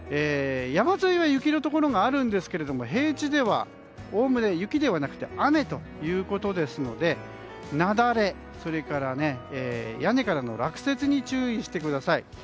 山沿いは雪のところがあるんですが平地では、おおむね雪ではなくて雨ということなので雪崩、それから屋根からの落雪に注意してください。